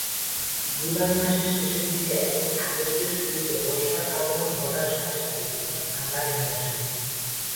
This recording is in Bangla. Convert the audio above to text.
জুলাই মাসের শেষের দিকে এবং আগস্টের শুরুতে বর্ষার আগমন ঘটার সাথে সাথে কিছুটা ঠান্ডা নেমে আসে।